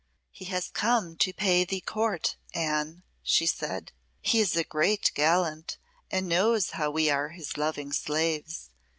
"He has come to pay thee court, Anne," she said. "He is a great gallant, and knows how we are his loving slaves.